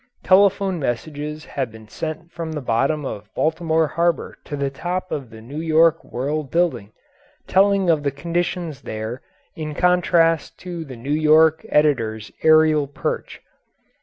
Telephone messages have been sent from the bottom of Baltimore Harbour to the top of the New York World building, telling of the conditions there in contrast to the New York editor's aerial perch.